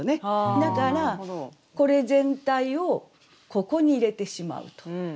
だからこれ全体をここに入れてしまうと。